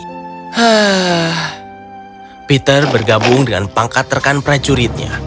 dan setelah itu peter bergabung dengan pangkat rekan prajuritnya